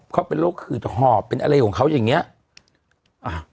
เขาเป็นโรคขืดหอบเป็นอะไรของเขาอย่างเงี้ยอ่า